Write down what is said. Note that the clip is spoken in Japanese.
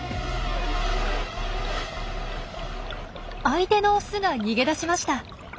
相手のオスが逃げ出しました。